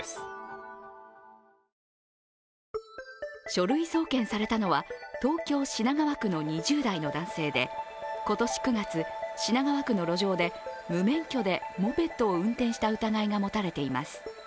書類送検されたのは、東京・品川区の２０代の男性で今年９月、品川区の路上で無免許でモペットを運転した疑いが持たれています。